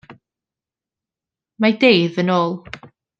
Mae Dave yn ôl!